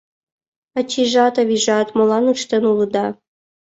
Ачийжат-авийжат, молан ыштен улыда?!»